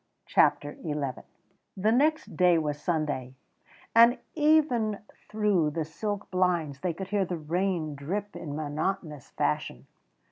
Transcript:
CHAPTER XI The next day was Sunday, and even through the silk blinds they could hear the rain drip in monotonous fashion.